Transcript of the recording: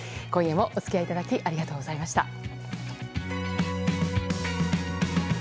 今夜もお付き合いいただきありがとうございました。